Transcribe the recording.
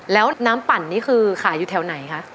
แล้วน้ำปั่นนี่คือขายอยู่แถวไหนคะ